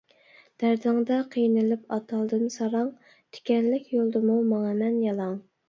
دەردىڭدە قىينىلىپ ئاتالدىم ساراڭ، تىكەنلىك يولدىمۇ ماڭىمەن يالاڭ.